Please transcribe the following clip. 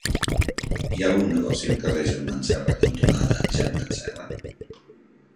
Hi ha algun negoci al carrer Germans Serra cantonada Germans Serra?